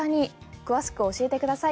詳しく教えてください。